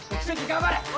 頑張れ